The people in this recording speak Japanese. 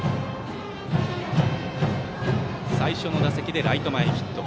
最初の打席でライト前ヒット。